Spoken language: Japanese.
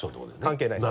関係ないです。